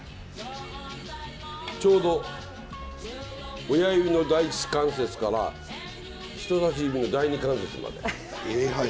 ちょうど親指の第１関節から人さし指の第２関節まで。